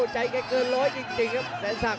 ใจแกเกินร้อยจริงครับแสนศักดิ